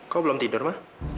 kau belum tidur ma